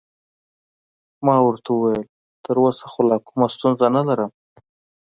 ما ورته وویل: تراوسه خو لا کومه ستونزه نلرم.